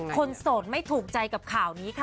โสดไม่ถูกใจกับข่าวนี้ค่ะ